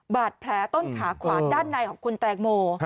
บาดแผลต้นขาขวาด้านในของคุณแตงโม